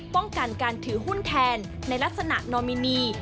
ป้องกันการถือหุ้นแทนในลักษณะนอมินี